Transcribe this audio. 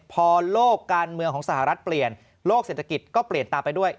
พอโลกการเมืองของสหรัฐเปลี่ยนโลกเศรษฐกิจก็เปลี่ยนตามไปด้วย